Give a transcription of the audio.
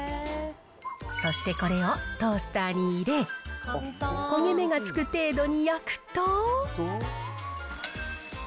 そしてこれをトースターに入れ、焦げ目がつく程度に焼くと。